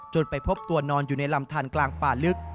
จนได้เจอตัวนอนอยู่ในลำถานกลางป่าลึก